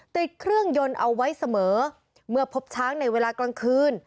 ติดเครื่องยนต์เอาไว้เสมอเมื่อพบช้างในเวลากลางคืน